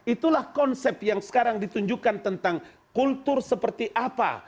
itulah konsep yang sekarang ditunjukkan tentang kultur seperti apa